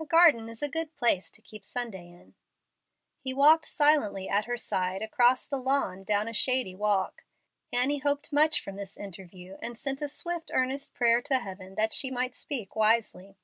"A garden is a good place to keep Sunday in." He walked silently at her side across the lawn down a shady walk. Annie hoped much from this interview, and sent a swift, earnest prayer to Heaven that she might speak wisely.